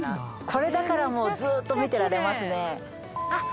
これだからもうずーっと見てられますね。